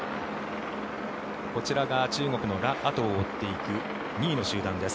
こちらが中国のラ・アトウを追っていく２位の集団です。